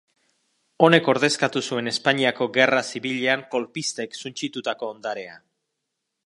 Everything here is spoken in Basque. Honek ordezkatu zuen Espainiako Gerra Zibilean kolpistek suntsitutako ondarea.